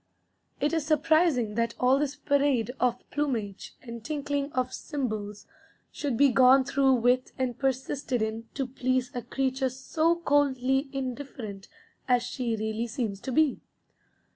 It is surprising that all this parade of plumage and tinkling of cymbals should be gone through with and persisted in to please a creature so coldly indifferent as she really seems to be.